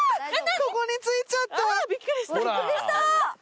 ここに付いちゃって。